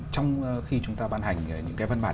trong khi chúng ta ban hành những cái văn bản